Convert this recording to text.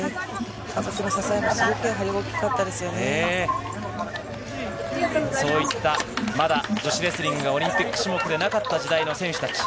家族の支えはすそういった、まだ女子レスリングがオリンピック種目でなかった時代の選手たち。